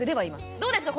どうですか？